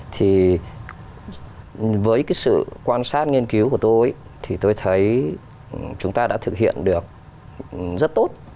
thì với cái sự quan sát nghiên cứu của tôi thì tôi thấy chúng ta đã thực hiện được rất tốt